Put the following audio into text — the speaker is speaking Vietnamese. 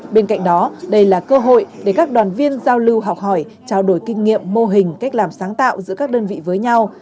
bên cạnh đó đây là cơ hội để các đoàn viên giao lưu học hỏi trao đổi kinh nghiệm mô hình cách làm sáng tạo giữa các đơn vị với nhau